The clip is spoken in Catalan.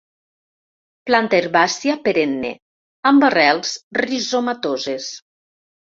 Planta herbàcia perenne amb arrels rizomatoses.